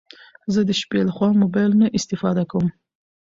زه د شپې لخوا موبايل نه استفاده کوم